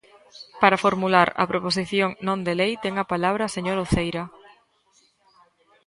Para formular a proposición non de lei ten a palabra a señora Uceira.